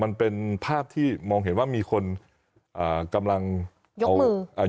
มันเป็นภาพที่มองเห็นว่ามีคนอ่ากำลังเอาอ่า